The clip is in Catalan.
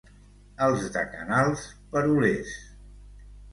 Els de Canals, perolers.